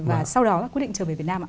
và sau đó quyết định trở về việt nam ạ